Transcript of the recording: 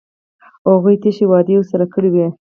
هغوی تشې وعدې ورسره کړې وې.